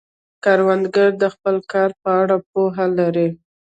کروندګر د خپل کار په اړه پوهه لري